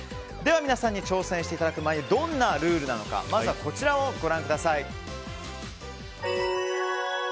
皆さんに挑戦していただく前にどんなルールなのかまずはこちらをご覧ください。